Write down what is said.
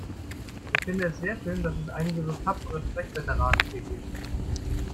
Ich finde es sehr schön, dass es einige so tapfere Sprecherveteranen hier gibt.